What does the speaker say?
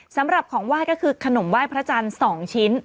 สำหรับของไหว้ก็คือขนมไหว้พระจันทร์๒ชิ้น